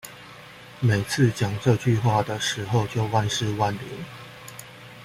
每次講這句話的時候就萬試萬靈